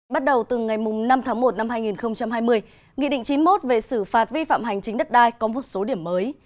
bắt đầu từ ngày năm tháng một năm hai nghìn hai mươi nghị định chín mươi một về xử phạt vi phạm hành chính đất đai có một số điểm mới